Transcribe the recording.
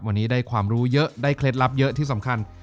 วันนี้ได้ความรู้เยอะได้เคล็ดลับเยอะที่สำคัญ